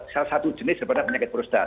salah satu jenis daripada penyakit prostat